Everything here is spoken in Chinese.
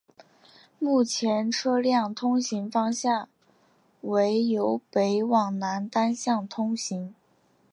目前车辆通行方向为由北往南单向通行。